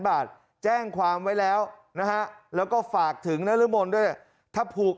บาทแจ้งความไว้แล้วนะฮะแล้วก็ฝากถึงนรมนด้วยถ้าผูก